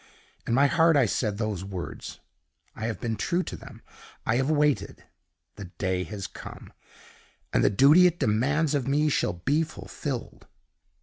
In my heart I said those words I have been true to them I have waited. The day has come, and the duty it demands of me shall be fulfilled."